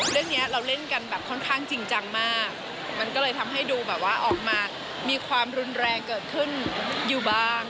เรื่องนี้เราเล่นกันแบบค่อนข้างจริงจังมากมันก็เลยทำให้ดูแบบว่าออกมามีความรุนแรงเกิดขึ้นอยู่บ้าง